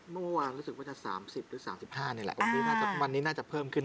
เมื่อวานรู้สึกว่าจะ๓๐หรือ๓๕นี่แหละวันนี้น่าจะเพิ่มขึ้น